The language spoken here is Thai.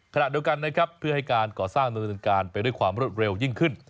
ขณะเดียวกันนะครับเพื่อให้การก่อสร้างดำเนินการไปด้วยความรวดเร็วยิ่งขึ้น